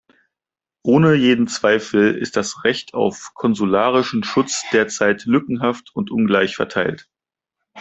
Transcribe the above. Ohne jeden Zweifel ist das Recht auf konsularischen Schutz derzeit lückenhaft und ungleich verteilt.